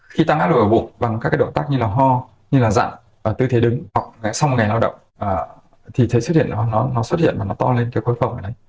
khi ta ngắt lửa bụng bằng các động tác như là ho như là dặn tư thế đứng hoặc là xong một ngày lao động thì thấy nó xuất hiện và nó to lên cái khối phồng này